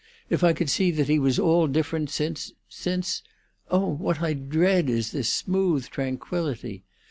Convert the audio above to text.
If I could see that he was at all different since—since——Oh, what I dread is this smooth tranquillity!